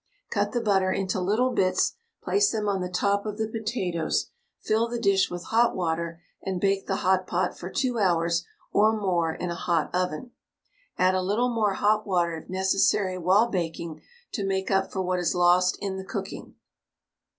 Cut the butter into little bits, place them on the top of the potatoes, fill the dish with hot water, and bake the hot pot for 2 hours or more in a hot oven. Add a little more hot water if necessary while baking to make up for what is lost in the cooking.